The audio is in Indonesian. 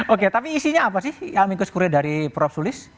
oke tapi isinya apa sih amikus kurie dari prof solis